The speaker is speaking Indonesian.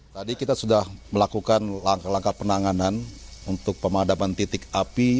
tadi kita sudah melakukan langkah langkah penanganan untuk pemadaman titik api